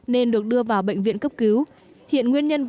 nên được đưa vào bệnh viện cấp cứu